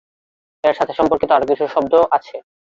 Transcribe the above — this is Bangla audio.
এর সাথে সম্পর্কিত আরও কিছু শব্দ আছে।